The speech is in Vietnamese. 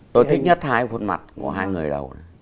tôi thích nhất hai khuôn mặt của hai người đầu